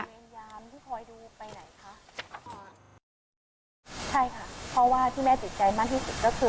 คุณแม่ต้องการความชัดเจนค่ะ